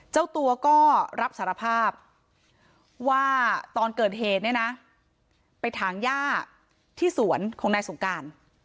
เจ้าตัวก็รับสารภาพว่าตอนเกิดเหตุเนี่ยนะไปถางย่าที่สวนของนายสงการ